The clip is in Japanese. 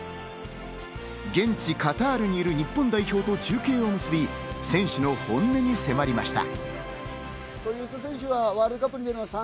現地・カタールにいる日本代表と中継を結び、選手の本音に迫りました。